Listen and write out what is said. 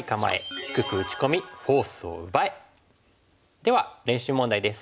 では練習問題です。